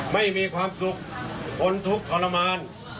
ไม่มีความสุขทนทุกข์ทรมาน